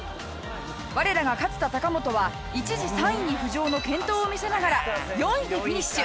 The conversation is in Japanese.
我らが勝田貴元は一時３位に浮上の健闘を見せながら４位でフィニッシュ。